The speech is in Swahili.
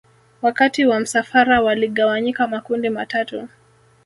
Wakati wa msafara waligawanyika makundi matatu